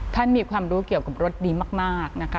ท่านมีความรู้เกี่ยวกับรถดีมากนะคะ